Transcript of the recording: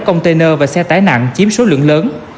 container và xe tái nặng chiếm số lượng lớn